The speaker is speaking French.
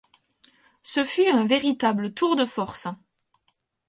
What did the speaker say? Ce fut un véritable tour de force.